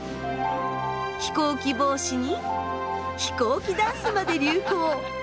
飛行機帽子に飛行機ダンスまで流行。